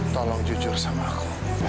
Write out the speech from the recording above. tolong jujur sama aku